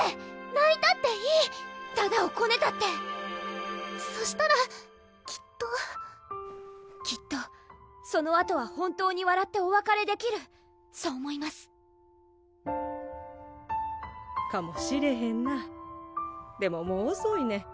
ないたっていいだだをこねたってそしたらきっときっとそのあとは本当にわらっておわかれできるそう思いますかもしれへんなでももうおそいねん